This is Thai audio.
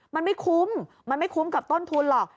มันไม่คุ้มมันไม่คุ้มกับต้นทุนหรอก